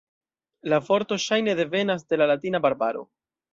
La vorto ŝajne devenas de la latina "barbaro".